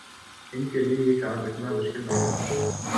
ان کیلئے یہ کام اتنا مشکل نہ رہا۔